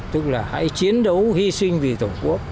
tức là hãy chiến đấu hy sinh vì tổ quốc